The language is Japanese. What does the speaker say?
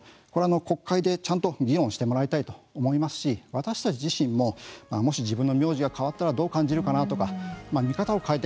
国会でちゃんと議論してもらいたいと思いますし私たち自身ももし自分の名字が変わったらどう感じるかなとか見方を変えて